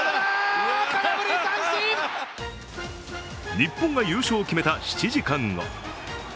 日本が優勝を決めた７時間後。